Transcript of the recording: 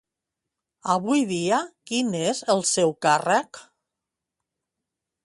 Avui dia, quin n'és el seu càrrec?